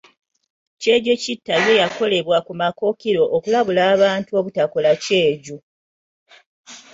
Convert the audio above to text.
Kyejokitta yo yaleegebwa ku mikookiro okulabula abantu obutakola kyejo.